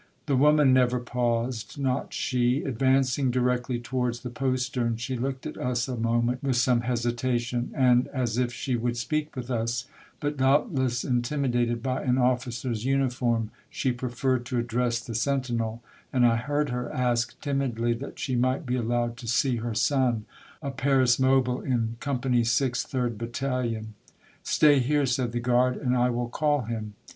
The woman never paused, not she ! Advancing directly towards the postern, she looked at us a moment, with some hesitation, and as if she would speak with us; but, doubtless intimidated by an officer's uniform, she preferred to address the sen tinel, and I heard her ask timidly that she might be allowed to see her son, a Paris mobile in Com pany Six, Third Battalion. " Stay here," said the guard, " and I will call him."